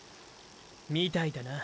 みたいだな。